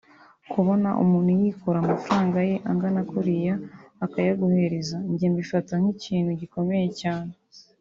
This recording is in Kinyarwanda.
Kubona umuntu yikura amafaranga ye angana kuriya akayaguhereza njye mbifata nk’ikintu gikomeye cyane